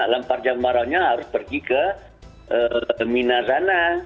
lampar jam marahnya harus pergi ke mina sana